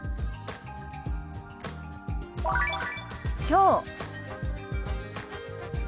きょう。